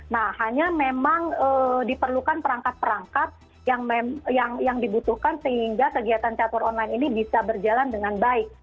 nah hanya memang diperlukan perangkat perangkat yang dibutuhkan sehingga kegiatan catur online ini bisa berjalan dengan baik